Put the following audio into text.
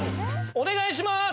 お願いします！